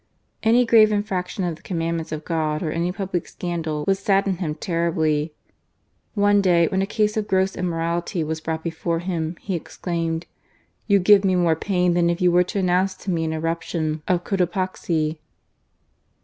Any grave infraction of the commandments of God or any public scandal, would sadden him terribly. One day, when a case of gross immorality was brought before him, he ex claimed :" You give me more pain than if you were to announce to me an eruption of Cotopaxi